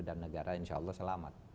negara insya allah selamat